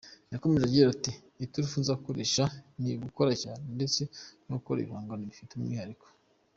Yakomeje agira ati” Iturufu nzakoresha ni ugukora cyane ndetse no gukora ibihangano bifite umwihariko.